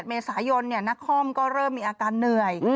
เมษายนนักคอมก็เริ่มมีอาการเหนื่อย